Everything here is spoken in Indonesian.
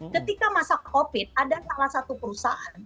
ketika masa covid ada salah satu perusahaan